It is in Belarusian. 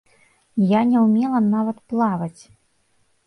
Я не ўмела нават плаваць!